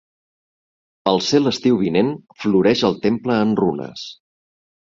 Al ser l’estiu vinent floreix el temple en runes.